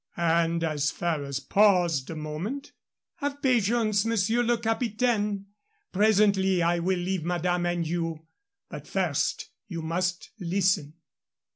And as Ferrers paused a moment, "Have patience, Monsieur le Capitaine. Presently I will leave madame and you; but first you must listen."